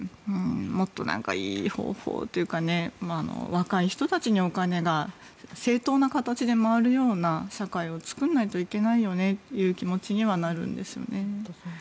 もっとなんかいい方法というか若い人たちにお金が正当な形で回るような社会を作らないといけないよねという気持ちにはなるんですよね。